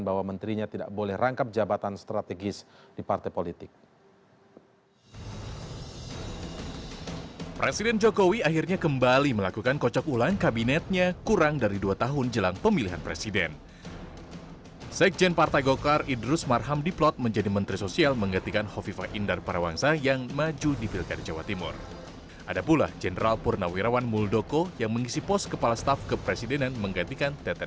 bahwa menterinya tidak boleh rangkap jabatan strategis di partai politik